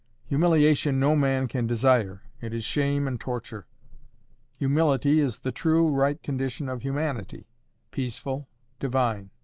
Humiliation no man can desire: it is shame and torture. Humility is the true, right condition of humanity—peaceful, divine.